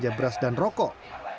belanja beras dan rokok